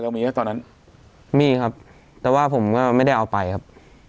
มีไหมตอนนั้นมีครับแต่ว่าผมก็ไม่ได้เอาไปครับ